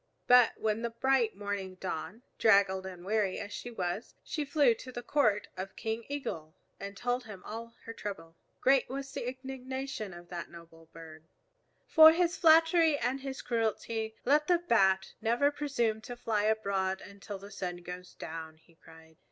But when the bright morning dawned, draggled and weary as she was, she flew to the court of King Eagle and told him all her trouble. Great was the indignation of that noble bird. "For his flattery and his cruelty let the Bat never presume to fly abroad until the sun goes down," he cried.